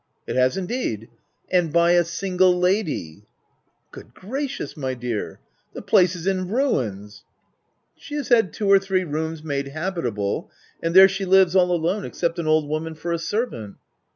" It has indeed !— and by a single lady !"'* Good gracious, my dear ! The place is in ruins f u She has had two or three rooms made habitable ; and there she lives, all alone — except an old woman for a servant